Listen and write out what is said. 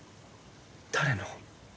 誰の？